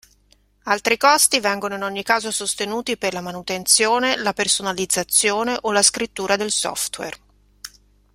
Altri costi vengono in ogni caso sostenuti per la manutenzione, la personalizzazione o la scrittura del software.